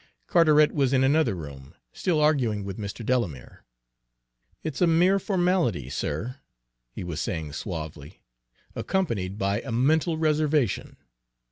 Carteret was in another room, still arguing with Mr. Delamere. "It's a mere formality, sir," he was saying suavely, "accompanied by a mental reservation.